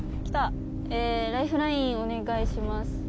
きたえライフラインお願いします